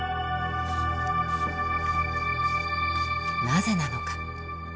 なぜなのか。